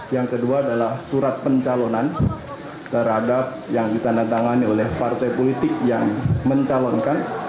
yang kedua adalah surat pencalonan terhadap yang ditandatangani oleh partai politik yang mencalonkan